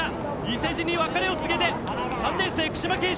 伊勢路に別れを告げて３年生、九嶋恵舜